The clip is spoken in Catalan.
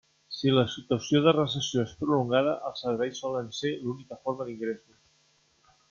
Si la situació de recessió és prolongada, els serveis solen ser l'única forma d'ingressos.